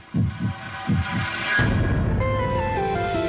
kamu kelihatan cendifiable